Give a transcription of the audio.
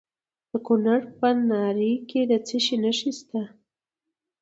د کونړ په ناړۍ کې د څه شي نښې دي؟